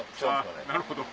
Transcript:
なるほど。